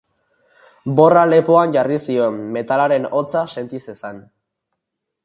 Borra lepoan jarri zion, metalaren hotza senti zezan.